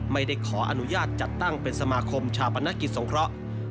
ไม่ได้ขออนุญาตจัดตั้งเป็นสมาคมชาปนกิจสงเคราะห์